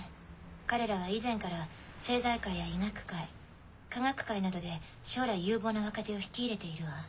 彼らは以前から政財界や医学界化学界などで将来有望な若手を引き入れているわ。